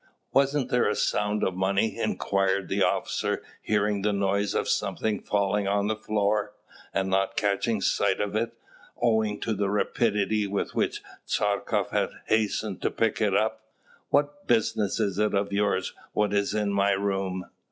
"Wasn't there a sound of money?" inquired the officer, hearing the noise of something falling on the floor, and not catching sight of it, owing to the rapidity with which Tchartkoff had hastened to pick it up. "What business is it of yours what is in my room?"